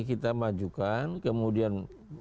kita majukan kemudian